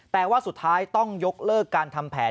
แต่ว่าสุดท้ายต้องยกเลิกการทำแผน